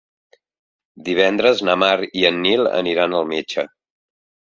Divendres na Mar i en Nil aniran al metge.